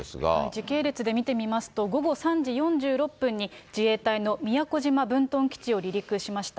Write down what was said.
時系列で見てみますと、午後３時４６分に、自衛隊の宮古島分屯基地を離陸しました。